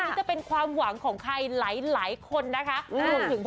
เดี๋ยวไปเช็กกันหน่อยนะคะบ้านคนดังเนี่ย